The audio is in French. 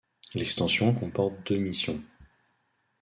L'extension comporte deux missions.